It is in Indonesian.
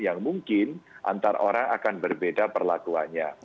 yang mungkin antar orang akan berbeda perlakuannya